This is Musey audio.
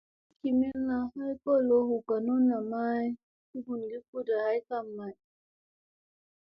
Yoongi kimilla ay kolo hu ganunna may cugum kuda ay kam may.